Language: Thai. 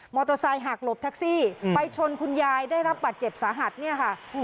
โตไซคหักหลบแท็กซี่ไปชนคุณยายได้รับบัตรเจ็บสาหัสเนี่ยค่ะ